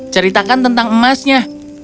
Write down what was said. ceritakan tentang emasnya